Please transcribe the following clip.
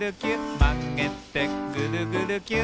「まげてぐるぐるキュッ」